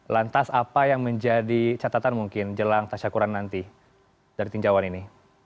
lantas apa yang menjadi catatan mungkin jelang tasyakuran nanti dari tinjauan ini